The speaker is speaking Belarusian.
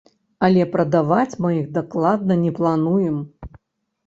Але прадаваць мы іх дакладна не плануем.